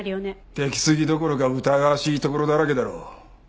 できすぎどころか疑わしいところだらけだろ。